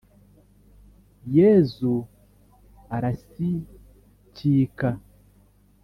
yezu arasikika